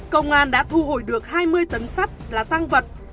công an đã thu hồi được hai mươi tấn sắt là tăng vật